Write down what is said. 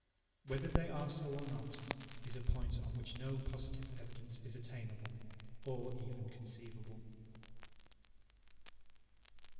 Whether they are so or not, is a point on which no positive evidence is attainable, or even conceivable.